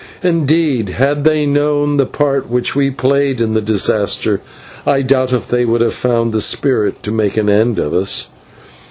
Indeed, had they known the part which we played in the disaster, I doubt if they would have found the spirit to make an end of us.